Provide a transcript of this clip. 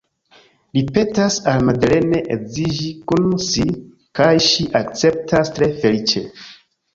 Li petas al Madeleine edziniĝi kun si, kaj ŝi akceptas tre feliĉe.